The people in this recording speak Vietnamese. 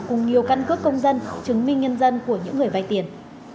cùng nhiều căn cước công dân chứng minh nhân dân của những người vay tiền